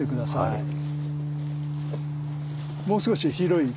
はい。